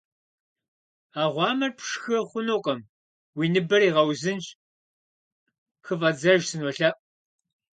А гъуамэр пшхы хъунукъым уи ныбэр игъэузынщ, хыфӀэдзэж, сынолъэӀу.